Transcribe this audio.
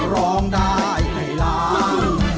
คือร้องได้ให้ร้าง